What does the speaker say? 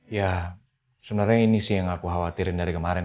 ya sebenarnya ini sih yang aku khawatirin dari kemarin